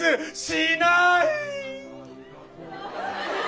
しない。